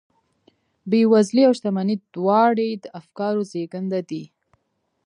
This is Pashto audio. بېوزلي او شتمني دواړې د افکارو زېږنده دي